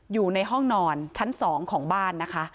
อยู่ในห้องนอนชั้น๒ของบ้านนะคะ